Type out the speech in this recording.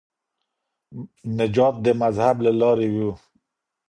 نجات د مذهب له لاري و.